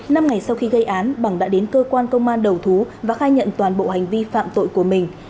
năm ngày sau khi gây án bằng đã đến cơ quan công an đầu thú và khai nhận toàn bộ hành vi phạm tội của mình